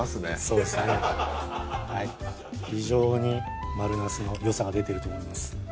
そうですねはい非常に丸なすのよさが出てると思います